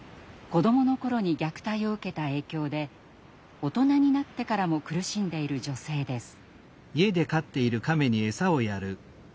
子どもの頃に虐待を受けた影響で大人になってからも苦しんでいる女性です。